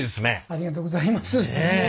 ありがとうございます。